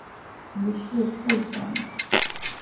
余事不详。